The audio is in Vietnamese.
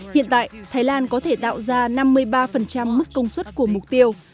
hiện tại thái lan có thể tạo ra năm mươi ba mức công suất của mục tiêu